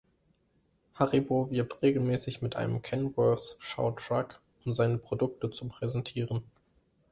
Haribo wirbt regelmäßig mit einem Kenworth-Showtruck, um seine Produkte zu präsentieren.